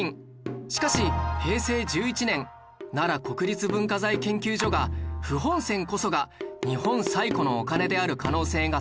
しかし平成１１年奈良国立文化財研究所が富本銭こそが日本最古のお金である可能性が高いと発表